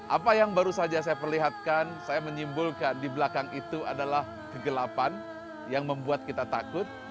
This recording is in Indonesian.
apa yang baru saja saya perlihatkan saya menyimpulkan di belakang itu adalah kegelapan yang membuat kita takut